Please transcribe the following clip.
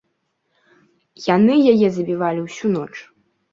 Яны яе забівалі ўсю ноч.